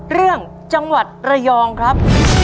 เรื่องจังหวัดระยองครับ